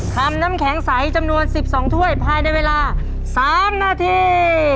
น้ำแข็งใสจำนวน๑๒ถ้วยภายในเวลา๓นาที